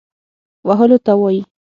وهلو ته وايي.